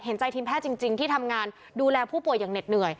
เห็นใจทีมแพทย์จริงที่ทำงานดูแลผู้ป่วยอย่างเหน็ดเหนื่อย